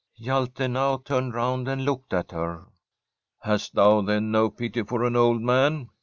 Hjalte now turned round and looked at her. * Hast thou, then, no pity for an old man